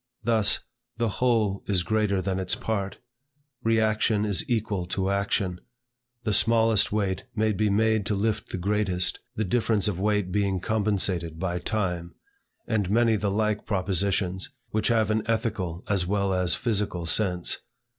Thus, "the whole is greater than its part;" "reaction is equal to action;" "the smallest weight may be made to lift the greatest, the difference of weight being compensated by time;" and many the like propositions, which have an ethical as well as physical sense.